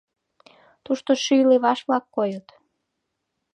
Тушто шӱй леваш-влак койыт.